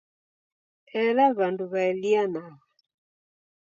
Ela w'andu waelianagha.